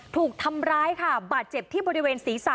ถูกทำร้ายค่ะบาดเจ็บที่บริเวณศีรษะ